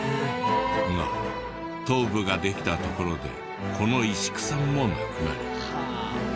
が頭部ができたところでこの石工さんも亡くなり。